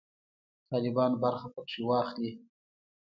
طالبان برخه پکښې واخلي.